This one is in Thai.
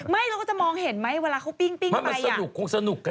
ไม่แล้วก็จะมองเห็นไหมเวลาเขาปิ้งไปอย่างนั้น